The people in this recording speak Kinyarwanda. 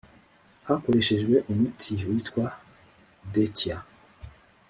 hakoreshejwe umuti witwa detia